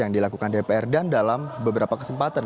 yang dilakukan dpr dan dalam beberapa kesempatan